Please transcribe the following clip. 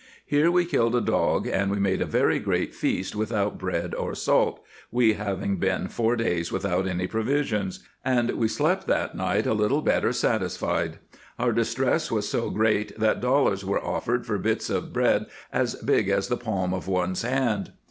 Here we killed a dog, and we made a very great feast without bread or salt, we having been four days without any provisions ; and we slept that night a little better satisfied. Our distress was so great that dollars were offered for bits of bread as big as the palm of one's hand."